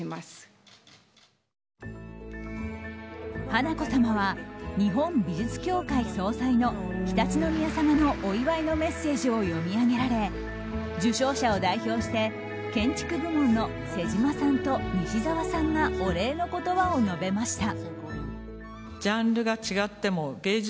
華子さまは日本美術協会総裁の常陸宮さまのお祝いのメッセージを読み上げられ受賞者を代表して建築部門の妹島さんと西沢さんがお礼の言葉を述べました。